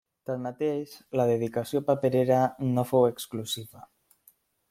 Tanmateix, la dedicació paperera no fou exclusiva.